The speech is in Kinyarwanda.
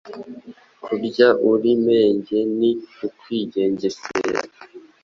Kurya uri menge ni ukwigengesera.